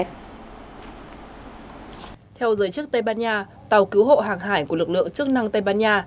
theo giới chức tây ban nha tàu cứu hộ hàng hải của lực lượng chức năng tây ban nha